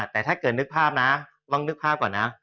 แต่ถ้าเกิดนึกภาพนะลองนึกภาพก่อนนะ